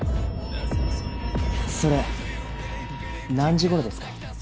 それ何時頃ですか？